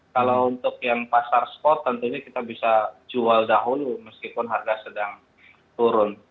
kalau untuk yang pasar spot tentunya kita bisa jual dahulu meskipun harga sedang turun